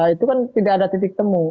itu kan tidak ada titik temu